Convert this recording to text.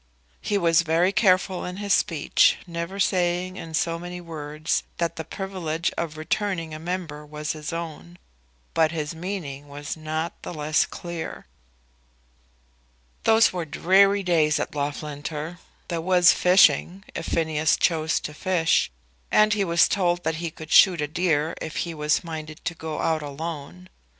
He was very careful in his speech, never saying in so many words that the privilege of returning a member was his own; but his meaning was not the less clear. Those were dreary days at Loughlinter. There was fishing, if Phineas chose to fish; and he was told that he could shoot a deer if he was minded to go out alone.